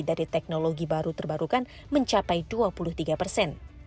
dari teknologi baru terbarukan mencapai dua puluh tiga persen